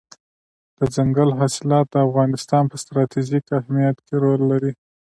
دځنګل حاصلات د افغانستان په ستراتیژیک اهمیت کې رول لري.